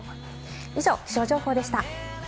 以上、気象情報でした。